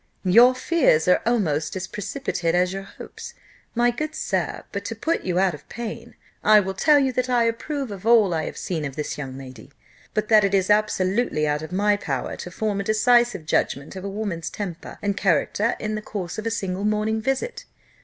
"Your fears are almost as precipitate as your hopes, my good sir: but to put you out of pain, I will tell you, that I approve of all I have seen of this young lady, but that it is absolutely out of my power to form a decisive judgment of a woman's temper and character in the course of a single morning visit.